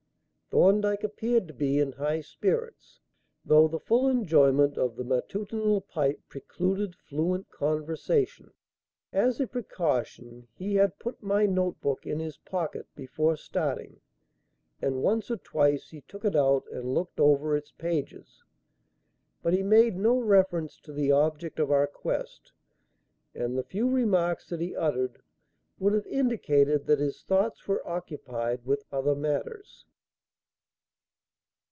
Thorndyke appeared to be in high spirits, though the full enjoyment of the matutinal pipe precluded fluent conversation. As a precaution, he had put my notebook in his pocket before starting, and once or twice he took it out and looked over its pages; but he made no reference to the object of our quest, and the few remarks that he uttered would have indicated that his thoughts were occupied with other matters.